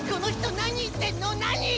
何言ってんの？